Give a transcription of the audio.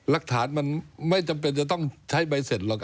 หลักฐานมันไม่จำเป็นจะต้องใช้ใบเสร็จหรอกครับ